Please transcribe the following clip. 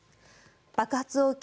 爆発を受け